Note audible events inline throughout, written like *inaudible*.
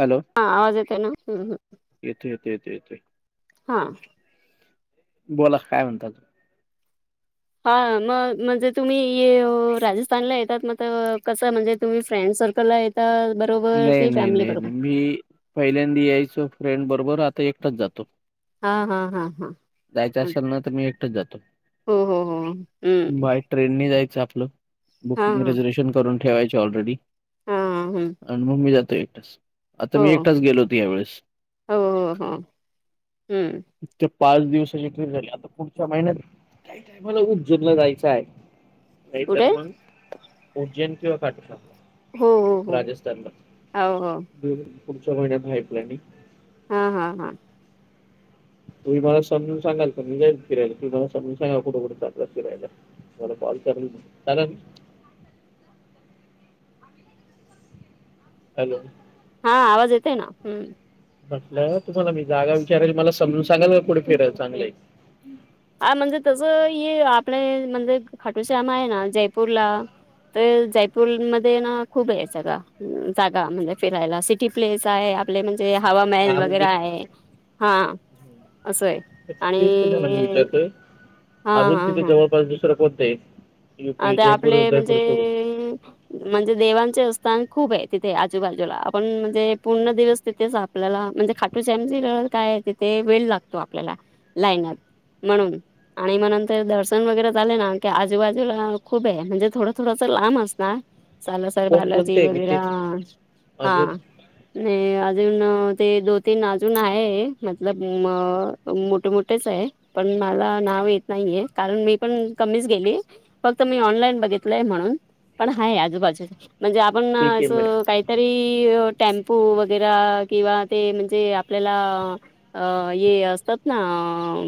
Hello हा आवाज येतोय ना हम्म येतो, येतोय, येतोय, येतोय. हा बोला काय? म्हणतात हा मग म्हणजे तुम्ही ये राजस्थानला येतात म कसं म्हणजे तुम्ही फ्रेंड सर्कलला येत तर *unintelligible* नाही, नाही, नाही, नाही मी पहिल्यांदा यायचो फ्रेंड बरोबर आता एकटाच जातो. हा, हा, हा, हा, जायचं असेल ना तर मी एकटाच जातो हो, हो, हो, हम्म. बाय ट्रेनने जायचं आपलं हा बुकिंग हा रिझर्वेशन करून ठेवायचं ऑलरेडी. *unintelligible* हा हम. आणि मग मी जातो एकटच. आता मी एकटाच गेलो होतो. यावेेळेस. हो हो हो हम्म पाच दिवसाची ट्रीप झाली आता पुढच्या महिन्यात त्याही टायमाला उज्जवला जायचं आहे. नाही कुठे तर मंग उज्जैन किंवा हो हो खाटूश्याम हो राजस्थानला हो हो दोन्ही पुढच्या महिन्यात हाय प्लॅनिंग. हा हा हा. तुम्ही मला समजून सांगाल क मी जाईल फिरायला तुमहीला समजून सांगाव कुठं कुठं जात्यात फिरायला. ह्याला कॉल कर की मंग. *unintelligible* हॅलो हा आवाज येते ना हम्म. म्हटला तुम्हाला मी जागा विचारयले मला सांगाल का कुठे फिराय चांगलं आहेस? हा म्हणजे तसं ये आपले म्हणजे खाटू श्याम आहे ना जयपूरला तर जयपूरमध्ये ना खूप आहे सगळं जागा म्हणजे फिरायला सिटी प्लेस आहे आ पले म्हणजे हवा महल हा मग वगैरे मी आहे हा असं आहे. तेच तुम्हाला मी आणि विचारतोय हा अजून हा तिथे हा जवळपास दुसरां कोणते? अ ते आपले म्हणजे म्हणजे देवांचे स्थान खूप आहे तिथे आजूबाजूला आपण म्हणजे पूर्ण दिवस तिथेच आपल्याला म्हणजे खाटूश्याम जी काय आहे तिथे वेळ लागतो आपल्याला लायनयात. म्हणून आणि म नंतर दर्शन वगैरे झाले ना की आजूबाजू ला खूप आहे म्हणजे थोडं थोडां सा लांब असणार साला सर कोण कोणते बालाजी आहे मी वगैर तेच आ आ अजून नाही अजून ते दो तीन अजून आहे मतलब म मोठे मोठेच आहे पण मला नाव येत नाहीये कारण मी पण कमीच गेली फक्त मी ऑनलाईन बघितलय म्हणून पण हाय आजूबाजू म्हणजे आपण ठीक आहे मॅडम असं काही तरी टेम्पू वगैरे किंवा ते म्हणजे आपल्याला अ ये असतात ना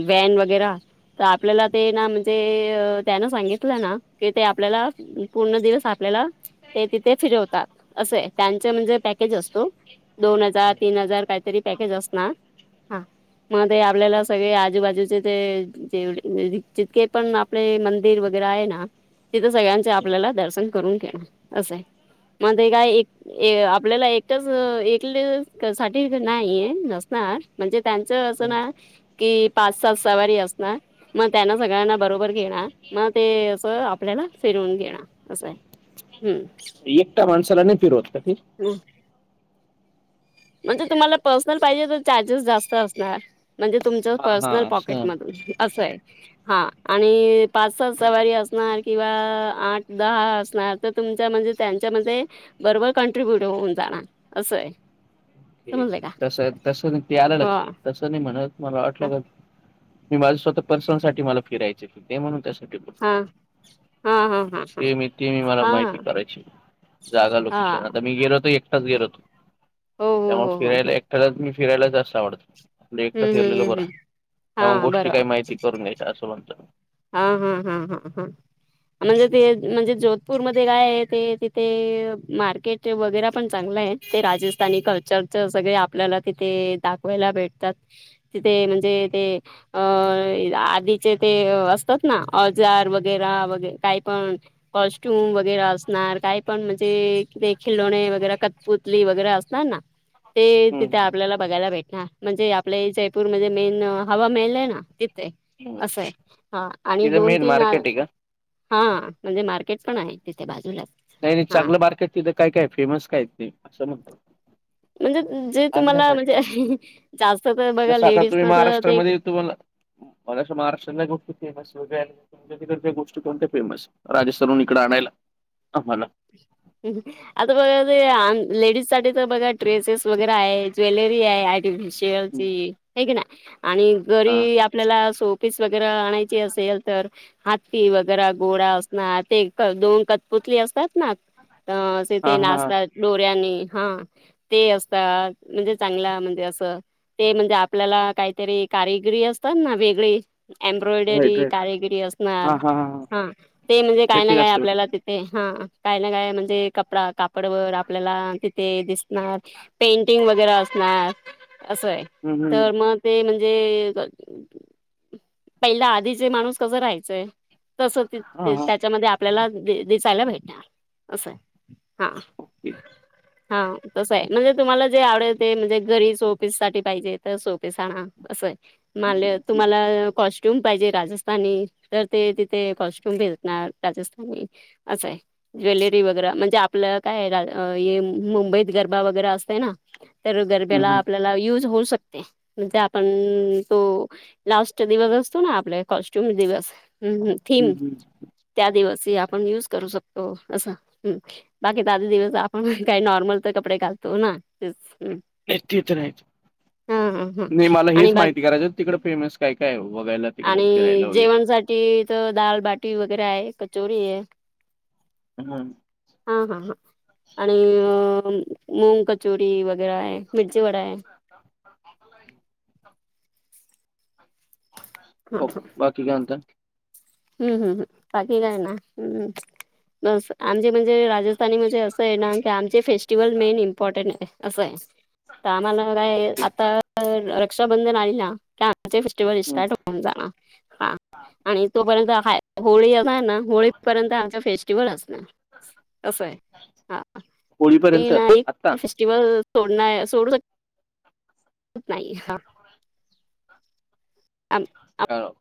व्हॅन वगैरा तर आपल्याला ते ना म्हणजे त्यानं सांगेत तला ना की ते आपल्याला पूर्ण दिवस आपल्याला ते तिथे फिरवतात असे आहे त्यांच म्हणजे पॅकेज असतो दोन हजार तीन हजार काहीतरी पॅकेज असणार हा. म ते आपल्याला सगळे आजूबाजूचे ते जेवळे ज जितके पण आपले मंदिर वग गैरे आहे ना तिथे सगळ्यांचे आपल्याला दर्शन करून घेणार असं आहे मग ते काय ए आपल्याला एकटच एकले क साठी क नाहीय नसणार म्हणजे त्यांच असं हम्म. ना कि पाच सात सवारी असणार मग त्यांना सगळ्यांना बरोबर घेणार म ते असं आपल्याला फिरवून घेणार असं आहे हम्म. एकटा माणसाला नाही फिरवत काय ते? हम्म. म्हणजे तुम्हाला पर्सनल पाहिजे तर चार्जेस जास्त असणार. म्हणजे तुमचं हा हा पर्सनल असं पॉकेटमधून असं आहे. हा आणि पाच सात सवारी असणार किंवा आठ दहा असणार तर तुमच्या म्हणजे त्यांच्यामध्ये बरोबर कॉन्ट्ररीब्युट होऊन जाणार असं आहे. समजलं का? तसं तसं नाही ते आलं हो हा लक्षात तसं नाही म्हणत मला वाटलं हा का मी माझ स्वतः पर्सनल साठी मला फिरायचाय तिथे म्हणून त्यासाठी बोललो. हा हा ते मी तीन हा *unintelligible* माहिती हा कारायची जागा हा लोकेशन आता मी गेलोत एक टाच गेलो होतो हो हो हो त्यामुळे हो फिरायला हम्म ऐकटाला मी फिरायला जास्त आवडतं. आपले एकटं हम्म फिरलेलं हम्म हम्म बरं त्यामुळे हा गोष्टी बरोबर काही माहिती करून घ्यायच्या असं म्हणतो मी. हा हा हा हा हा. म्हणजे ते, म्हणजे जोधपूरमध्ये काय आहे ते ते तिथे मार्केट ते वगैरा पण चांगलं आहे, ते राजस्थानी कल्चरच सगळे आपल्याला तिथे दाखवायला भेटतात. तिथे म्हणजे ते, अं आधीचे ते अस तात ना, औजार वगैरा वगै काय पण कॉस्ट्युम वगैरा असणार, काही पण म्हणजे ते खिलोणे वगैरा कटपुतली वगैरा असणार ना. ते तिथे हम्म आपल्याला बघायला भेटणार. म्हणजे आपले जयपूरमध्ये मेन हवा मेहल है ना तिथे, असं आहे. हा, आणि तिथं दोन मेन तीन हा, मार्केट आहे का? म्हणजे मार्केट पण आहे तिथे बाजूलाच. नाही नाही, हां, चांगलं मार्केट तिथं काय काय फेमस काय ते असं म्हणतोय मी. म्हणजे जे तुम्हाला म्हणजे, जास्त तर बघा लेडीज ना तर ते तुम्हाला मगाशी महाराष्ट्रा कोणत्या गोष्टी फेमस वगैर तुमच्या तिकडच्या गोष्टी कोणत्या फेमस, राजस्थानहुन इकडं आणायला. आम्हाला. आता बघा ते लेडीजसाठी तर बघा ड्रेसेस वगैरे आहे, ज्वेलरी आहे, आणि शेअर चि आहेकी नाय, आणि हा घरी आपल्याला सो शोपीस वगैरे आणायची असेल तर, हाती वगैरा घोडा असणार, ते दोन कतपुतली असतात ना, त असे हा ते हा नाचतात दोऱ्यांने हां ते असतात, म्हणजे चांगला म्हणजे असं ते म्हणजे आपल्याला काहीतरी कारिगिरी असताना वेगळी राईट एम्ब्रॉयडरी राईट कार्यगिरी असणार, हा हा हा हा हां ते म्हणजे काय ना त्याची काय जास्त भेट आपल्याला ते ते, हा काय ना म्हणजे कपडा कापडवर आपल्याला तिथे दिसणार. पेंटिंग वगैरा असंणार, असं आहे, तर मग ते म्हणजे पहिला आधीचे माणूस कसं राहायचे, तसं हा हा त्याच्यामध्ये आप आपल्याला दिसायला भेटणार असं आहे, हां. ओके हा तसं आहे, म्हणजे तुम्हाला जे आवडेल ते म्हणजे घरी सोपीस साठी पाहिजे तर सोपीस आणा. असं आहे, मानले ठीक तुम्हाला कॉस्ट्युम पाहिजे राजस्थानी, तर ते तिथे कॉस्ट्युम भेजणार राजस्थानी. असं आहे. ज्वेलरी वगैरा, म्हणजे आपलं काय, हे मुंबईत गरबा वगैरा असतय ना, तर हम्म, गरब्याला हम्म, आपल्याला युज होऊ शकतय, म्हणजे आपण तो लाउ तो दिवस असतो ना आपला कॉस्ट्यूम दिवस, हं हं हम्म, थीम हम्म. त्या दिवसी आपण युज करू शकतो असं, हं. बाकी त आठ दिवस आपण काही नॉर्मल तर कपडे घालतोच ना, तेच नाही ते तर आहेच, हा हा हा नाही मला आणि हेच माहिती बाकी करायचा आहे तिकडे फेमस काय काय आहे बघायला. तिकडे आणि फिरायला वगैरे जेवणसाठी तर दालबाटी वगैरे आहे, कचोरी आहे. हम्म. हा हा आणि मुंग कचोरी वगैरे आहे, मिरची वडा आहे. *unintelligible* हा हा. की काय म्हणता. हम्म हम्म बाकी काय नाय, हम्म बस, आमचे म्हणजे राजस्थान आणि म्हणजे असं आहे ना की आमचे फेस्टिवल मेन इम्पॉर्टंट आहे, असं आहे. ताम्हण काय ओके आता. *unintelligible* रक्षा बंधन आली ना की आमचे फेस्टिवल हम्म. स्टार्ट होऊन जाणार. तो पर्यंत हाय, होळी हाय ना होळीपर्यंत आमच फेस्टिवल असणार. असं हाय हां, मी होळीपर्यंत ना एक. आत्ता *unintelligible* टीव्हल सोड ना सोडू शकत नाही हा. आम हॅलो.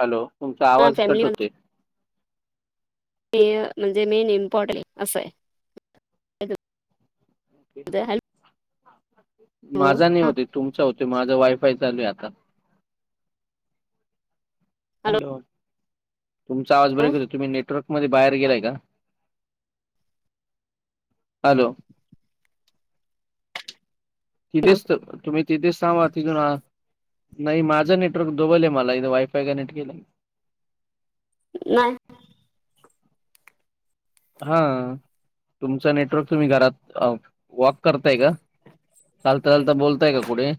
हॅलो तुमचा आम्हाला आवाज कट फॅमिलीमध्ये होतोय. मी म्हणजे मेन इम्पॉर्टंट असं आहे. ओके. *unintelligible* हॅलो माझा नाही हां होत ये, तुमच होतोय, माझं वायफाय चालू ये आता. हॅलो तुमचा आवाज ब्रेक होतोय तुम्ही नेटवर्क मध्ये बाहेर गेलाय का? हॅलो हां तिथेच तुम्ही तिथेच सथांब. *unintelligible* नाही माझं नेटवर्क दुबल ये मला इथे वायफाय कनेक्ट केलं. नाय. हा तुमच नेटवर्क तुम्ही घरात वॉक करताय का? चालता चालता बोलताय का कुठे?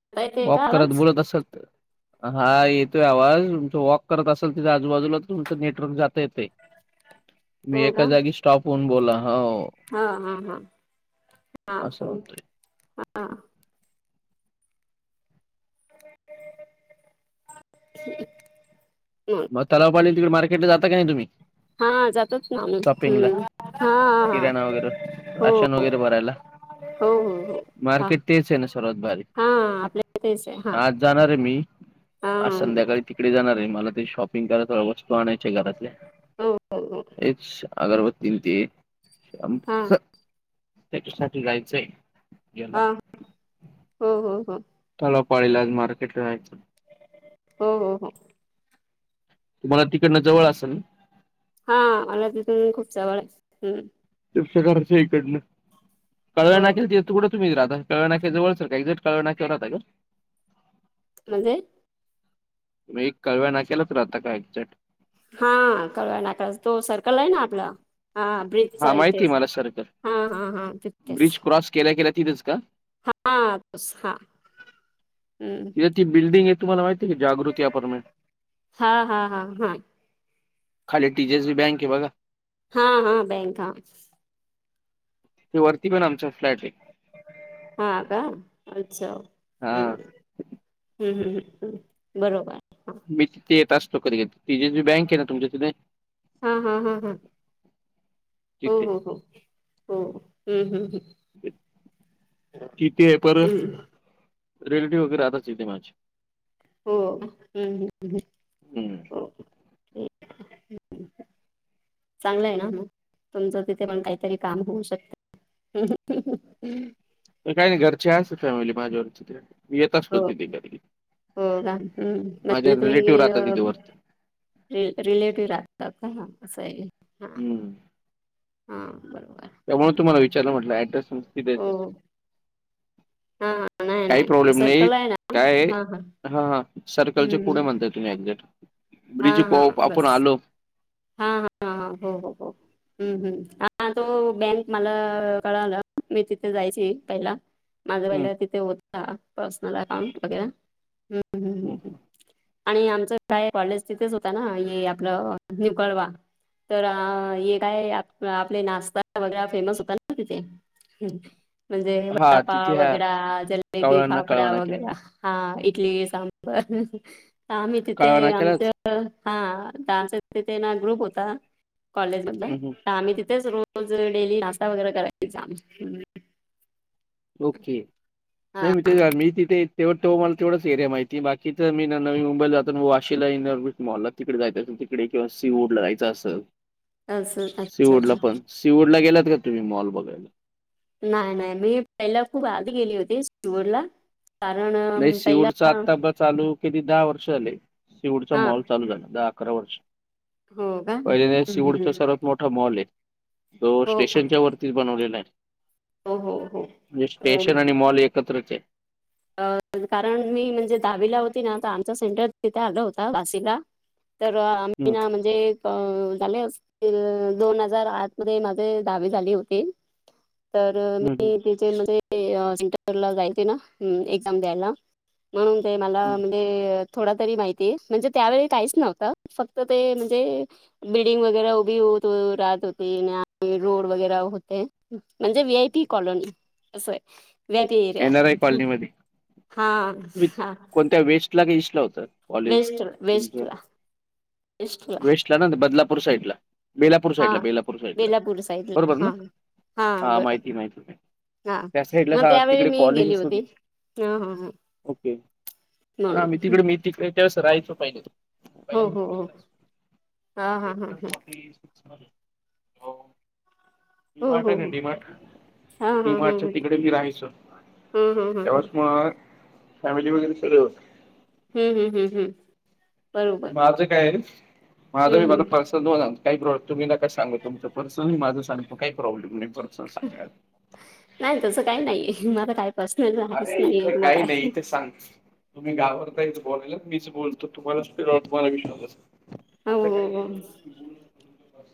आता येते का वॉक करत आवाज बोलत असल तर हा येतोय आवाज तुमच वॉक करत असाल तिथे आजूबाजूला तुमचं नेटवर्क जातय येतय. तुम्ही हो एका का जागी स्टॉप हुंन बोला, हो. हां हां हां हां असं होतंय हां. *inaudible* मग तलाव कडे तिकडे मार्केट जाता का नाही तुम्ही? हां जातच ना आम्ही, हम्म. हां किरणा वगैरे, राशन वगैरे बरायला? हो हो हो हां आहे ना सर्वात भारी हां आपल्या हीतेच आहे हा. आज जाणार ये मी आज संध्याकाळी तिकडे जाणार ये, मला ते शॉपिंग कराय थोडं हो आणायचे आहे घरातले हो हो हो येक्स अगरबती न ते. हां *unintelligible* त्याच्यासाठी जायचंय. याला हां, हो हो हो. मला *unintelligible* मार्केटला जायचं. हो हो हो. तुम्हाला तिकडंन जवळ असेल ना? हा मला तिथून खूप चवळ आहे. तुमच्या घरच्या इकडनं, कावळा हो नाक्याला येतो कुट तुम्ही राहता कावळा नाक्या जवळ च एक्झट कावळा नाक्या वर राहता का?. म्हणजे म्हणजे कळव्या नाक्याला राहता का एक्झॅक्ट? हां कळवा नाकाच तो सर्कल आहे ना आपला हा फ्रिज चा हा ए माहिती तेच आहे मला सर्कल हां हां हां तिथेच. ब्रिज क्रॉस केल्या केल्या तीथच का? हां तस हा. तिथे ती बिल्डिंग ये तुम्हाला माहिती ऐका जागृती अपार्टमेंट? हां हां हां हां खाली T J S B bank हे बघा. हां हां बँक हां. ते वरती पण आमच्या फ्लॅट ए हा का,, अच्छा, हं हा हं हं हं बरोबर. हां मी तिथे येत असतो कधी कधी तिचे जी बँकेय ना तुमच्या तिथे हां हां हां हां हो तिथे हो हो हो हो हं हं हं किती हे पर, हम्म. रिलेटिव वगै राहता तिथे माझी हो, हं हं हं हं हं *inaudible* चांगलय ना मग, तुमचं तिथं पण काहीतरी काम होऊ शकतं. हहहहह ते काय नाय घरची आसती फॅमिली माझ्यावर तिथे येत असतो हो. तिथं कधी कधी, हो का? हम्म. माझे म्हणजे रिलेटिव्ह राहतात तिथे वरती. रिल रिलेटिव्ह राहतात का, असं आहे, हा. हम्म. हं बरोबर. त्यामुळे तुम्हाला विचारलं म्हटलं ऍड्रेस तुमचा तिथे येतोय. हो. नाही, काही प्रॉब्लेम नाही,, सर्कल आहे ना. काय हां, हां. हा हा, सर्कलच्या पुढे हम्म. म्हणताय तुम्ही एक्झॅक्ट, ब्रिज पाव आपण आलो हा हा हो हो हं हं हं हा तो बँक मला कळालं मी तिथं जायचे, पहिला माझं हं, वालं तिथं होता, पर्सनल अकाउंट वगैरा, हं हं हं हं आणि आमचा काय कॉलेज तिथेच होतं ना, हे आपलं न्यू कळवा. तर आ ये काय आपला आपले नाष्टा वगैरा फेमस होताना तिथे. हं म्हणजे हां, तिथे वडापाव ह्या वगैरा, जलेबी कावळा ना काळवा फाफडा नाक्या. वगैरा. हा इटली सांबार, ह ह हा मी तिथे काळवा नाक्यालाच? आमचं तर हा डान्सचा तिथेना ग्रुप होता कॉलेजमधला, हं, हं. तर आम्ही तिथेच रोज रोज डेली नाश्ता वगैरा करायचं तिथं आम्ही. ओके, ते हा मी आम्ही तिथे ठेवतो वन टू एरियाच माहितीये, बाकीचं मी ना नवी मुंबईला जातो, वाशीला इनॉर्बिट मॉल. तिकडं जायचं तर तिकडे किंवा सिंहगडला जायचं असं असं अच्छा सींहगडला अच्छा पण,, सिंहगड ला गेलात का तुम्ही मॉल बघाय नाय नाय, मी पहिला खूप आध गेली होती सींहगडला. कारण नाही म पहिला सीवूडचा आत्ता ब चालू किती दहा वर्ष झाले, शेवटचा हा मॉल चालू झालता दहा-अकरा वर्ष हो का? पहिल्या हं, हं, सींहगडचा हं. सराफ मोठा मॉलय, तो हो का? स्टेशनच्या वरतीच बनवलेलाए. हो, हो, हो. म्हणजे स्टेशन आणि मॉल एकत्र केलं. अ कारण मी म्हणजे दहावीला होती ना, तर आमचं सेंटर तिथं आलं होतं, वाशीला. तर आम्ही हम्म, ना म्हणजे एक झाले असं ते दोन हजार आठ मध्ये माझी दहावी झाली होती. तर हम्म, हम्म, मी तिथे म्हणजे अ सेंटरला जायची ना, एक्झाम द्यायला, तर मंग ते मला हम्म. म्हणजे थोडा तरी माहितीये, म्हणजे त्यावेळी काहीच नव्हतं, फक्त ते म्हणजे बिल्डिग वगैरा उभी होतो राात होती, रोड वगैरा होते. म्हणजे वी आय पी कॉलोनी असंय,, व्हीआयपी एरिया. कॉलनी मध्ये, हा तुम्ही हा कोणत्या वेस्टला का ईस्टला होतं.? कॉलेज वेस्ट तुमचं वेस्टला ईस्टला, त्याना बदलापूर साईड ला बेलापूर साईड ला हा बेलापूर साईड ला बेलापूर साईडला बरोबर ना? हा हा माहिती माहिती हा त्या साईटला मग का त्यावेळी तिकडे मी गेली कॉलेजेस होते होती ह ह ह ओके मी म्हणून तिकडे मी तिकडे त्यास राहायचं पहिले तो. हो पहिल्यांदी हो हो तिकडं हा हा हा सेक्टर हा फोर्टी सिक्स मध्ये डी हो मार्ट हाय हो ना हो डी मार्ट हा हा डी हा मार्ट च्या ह तिकडे मी राहायचो. ह ह त्यावेळेस ना फॅमिली वगैरे सगळे होत. हम् हम्म हम् हम्म माझं काय आहे माझं हं, मी माझं हं. फर्सन दोन आणतो. काही प्रॉब् तुम्ही नका सांगू तुमचं पर्सनल मी माझ सांगतो काही प्रॉब्लेम नाही पर्सनल सांगायला. नाइ ना तसं काही नाई माझं काय, पर्सनल जा अरे इथं काही नाई इथे सांग, तुम्ही घाबरतायचं बोलायला मीच बोलतो तुम्हाला विश्वास बसेल हो, असं हो, काही नाही. हो. तुम्ही बोलू शकता.